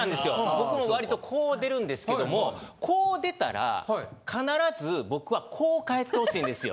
僕もわりとこう出るんですけどもこう出たら必ず僕はこう帰ってほしいんですよ。